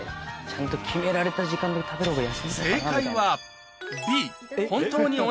ちゃんと決められた時間で食べるほうが。